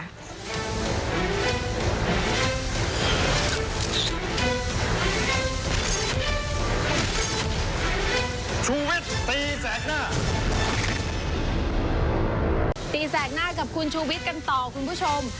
ตีแสกหน้ากับคุณชูวิทย์กันต่อคุณผู้ชม